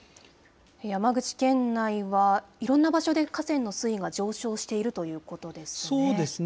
山口県内はいろんな場所で河川の水位が上昇しているというこそうですね。